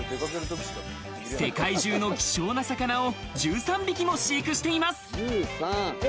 世界中の希少な魚を１３匹も飼育しています。